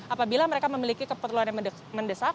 apabila mereka memiliki keperluan yang mendesak